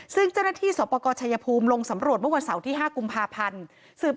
ซึ่งเจ้าหน้าที่สปกรชัยภูมิลงสำรวจเมื่อวันเสาร์ที่๕กุมภาพันธ์